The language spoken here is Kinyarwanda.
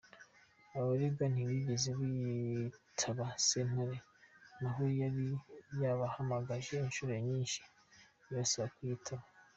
Abaregwa ntibigeze bitaba sentare naho yari yabahamagaje inshuro nyinshi ibasaba kuyitaba.